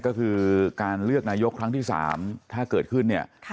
ก็คือการเลือกนายกครั้งที่๓ถ้าเกิดขึ้นเนี่ย